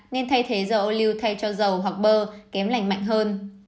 nên thay thế dầu lưu thay cho dầu hoặc bơ kém lành mạnh hơn